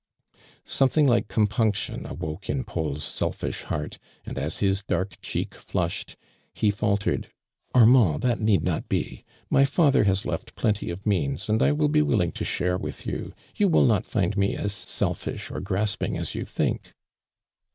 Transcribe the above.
hJomething like compimction awoke in Paul's selfish heart, and as his dark cheek flushed, ho faltered: "Armand, that need not be. My father has left plenty of means, and I will be willing to share with you. You will not find me as selfish or grasping as you think